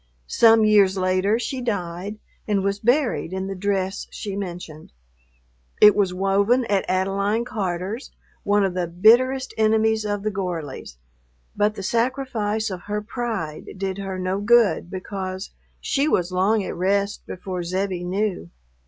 Some years later she died and was buried in the dress she mentioned. It was woven at Adeline Carter's, one of the bitterest enemies of the Gorleys, but the sacrifice of her pride did her no good because she was long at rest before Zebbie knew.